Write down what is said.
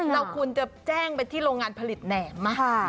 เราควรจะแจ้งไปที่โรงงานผลิตแหนมไหม